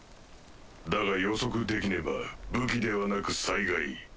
だが予測できねば武器ではなく災害。